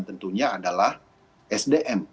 tentunya adalah sdm